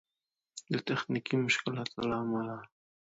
د تخنيکي مشکلاتو له امله